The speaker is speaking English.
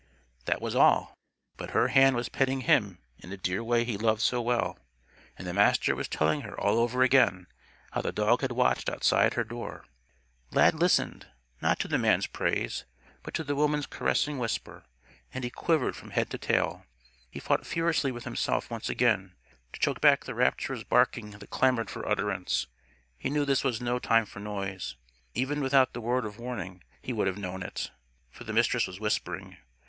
That was all. But her hand was petting him in the dear way he loved so well. And the Master was telling her all over again how the dog had watched outside her door. Lad listened not to the man's praise, but to the woman's caressing whisper and he quivered from head to tail. He fought furiously with himself once again, to choke back the rapturous barking that clamored for utterance. He knew this was no time for noise. Even without the word of warning, he would have known it. For the Mistress was whispering.